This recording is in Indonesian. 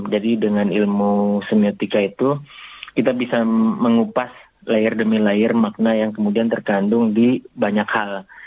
jadi dengan ilmu semiotika itu kita bisa mengupas layer demi layer makna yang kemudian terkandung di banyak hal